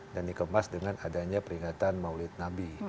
dan dikemas dengan adanya peringatan maulid nabi